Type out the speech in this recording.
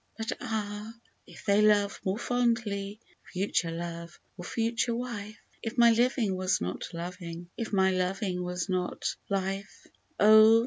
But ah ! if they love more fondly (future love or future wife). If my living was not loving — if my loving was not Life^ Oh